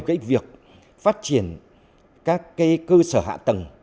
cái việc phát triển các cơ sở hạ tầng